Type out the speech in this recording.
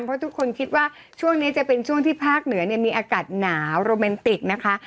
เพราะทุกคนคิดว่าช่วงนี้จะเป็นช่วงที่ภาคเหนือเนี่ยมีอากาศหนาวโรแมนติกนะคะ